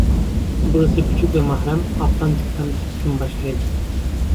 Burası küçük ve mahrem Atlantik'ten büsbütün başkaydı.